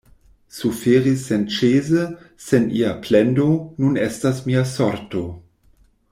Suferi senĉese, sen ia plendo, nun estas mia sorto.